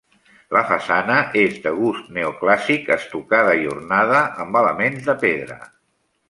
La façana és de gust neoclàssic, estucada i ornada amb elements de pedra.